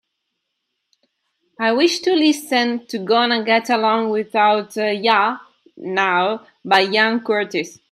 I wish to listen to Gonna Get Along Without Ya Now by Ian Curtis.